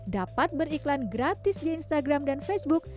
dapat beriklan gratis di instagram dan facebook